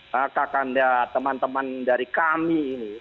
kakak dan teman teman dari kami